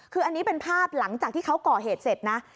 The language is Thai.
คืออันนี้เป็นภาพหลังจากที่เขาก่อเหตุเสร็จนะ